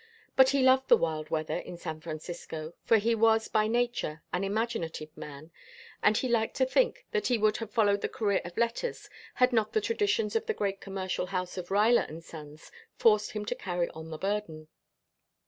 But he loved the wild weather of San Francisco, for he was by nature an imaginative man and he liked to think that he would have followed the career of letters had not the traditions of the great commercial house of Ruyler and Sons, forced him to carry on the burden.